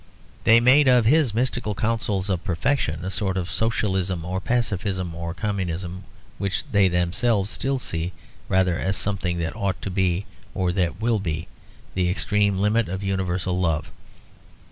They made of his mystical counsels of perfection a sort of Socialism or Pacifism or Communism, which they themselves still see rather as something that ought to be or that will be; the extreme limit of universal love.